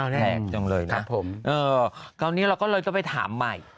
แพงจังเลยนะครับผมเออคราวนี้เราก็เลยต้องไปถามใหม่